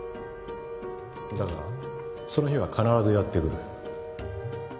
だがその日は必ずやってくる。